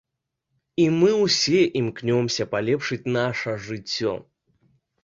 І мы ўсе імкнёмся палепшыць наша жыццё!